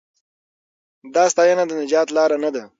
دا ستاینه د نجات لار نه ده.